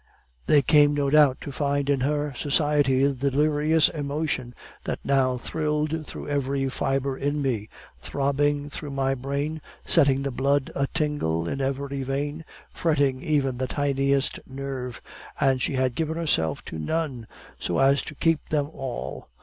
They came, no doubt, to find in her society the delirious emotion that now thrilled through every fibre in me, throbbing through my brain, setting the blood a tingle in every vein, fretting even the tiniest nerve. And she had given herself to none, so as to keep them all.